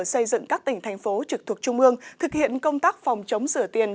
bộ xây dựng các tỉnh thành phố trực thuộc trung ương thực hiện công tác phòng chống rửa tiền